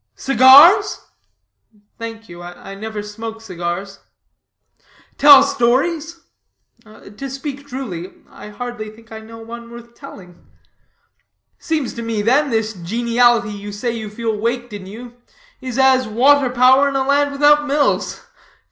"Cigars?" "Thank you, I never smoke cigars." "Tell stories?" "To speak truly, I hardly think I know one worth telling." "Seems to me, then, this geniality you say you feel waked in you, is as water power in a land without mills.